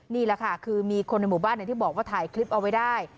นี่แหละค่ะคือมีคนในหมู่บ้านที่บอกว่าถ่ายคลิปเอาไว้ได้